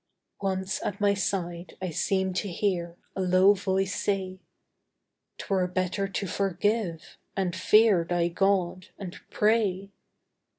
Once at my side I seemed to hear A low voice say, "'Twere better to forgive, and fear Thy God, and pray."